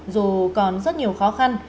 dù còn rất nhiều khó khăn